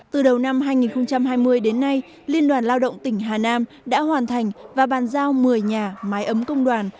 từ đầu năm hai nghìn hai mươi đến nay liên đoàn lao động tỉnh hà nam đã hoàn thành và bàn giao một mươi nhà mái ấm công đoàn